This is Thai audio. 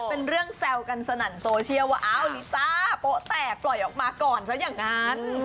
มันเรื่องแซวกันสะหนันโซเชียวว่าอ้าวลิซ่าโปะแตกเปื่อยอกมาก่อนฉะนั้น